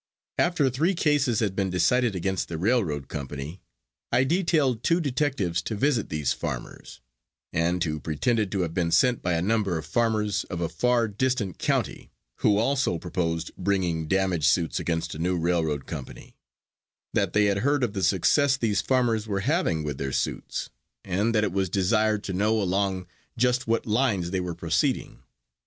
After three cases had been decided against the railroad company, I detailed two detectives to visit these farmers, and who pretended to have been sent by a number of farmers of a far distant county, who also proposed bringing damage suits against a new railroad company; that they had heard of the success these farmers were having with their suits, and that it was desired to know along just what lines they were proceeding.